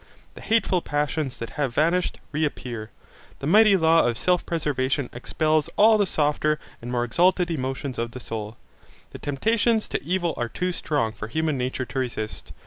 The hateful passions that had vanished reappear. The mighty law of self preservation expels all the softer and more exalted emotions of the soul. The temptations to evil are too strong for human nature to resist.